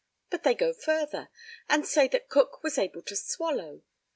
But they go further, and say that Cook was able to swallow.